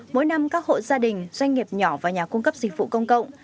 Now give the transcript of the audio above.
mỗi năm các hộ gia đình doanh nghiệp nhỏ và nhà cung cấp dịch vụ công cộng